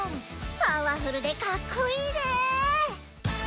パワフルでかっこいいね！